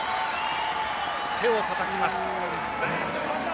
手をたたきます。